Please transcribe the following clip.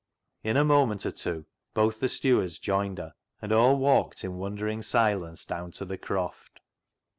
In a moment or two both the stewards joined her, and all walked in wonder ing silence down to the Croft.